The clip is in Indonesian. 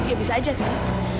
ya bisa aja kan